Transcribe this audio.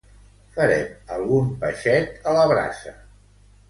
Farem algun peixet a la brasa